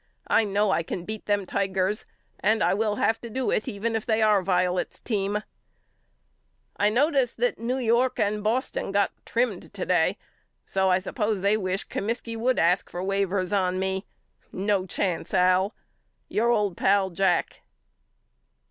I know I can beat them Tigers and I will have to do it even if they are Violet's team. I notice that New York and Roston got trimmed to day so I suppose they wish Comiskey would ask for waivers on me. No chance Al. Your old pal, JACK.